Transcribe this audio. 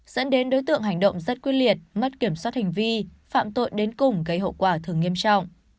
dẫn đến đối tượng hành động rất quyết liệt mất kiểm soát hành vi phạm tội đến cùng gây hậu quả thường nghiêm trọng